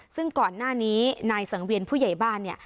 ซึ่งก่อนหน้านี้นายสังเวียนผู้ใหญ่บ้านเนี่ย